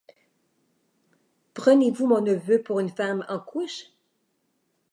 Prenez-vous mon neveu pour une femme en couches ?